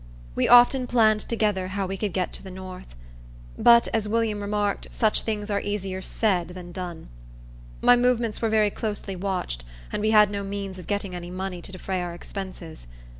We often planned together how we could get to the north. But, as William remarked, such things are easier said than done. My movements were very closely watched, and we had no means of getting any money to defray our expenses.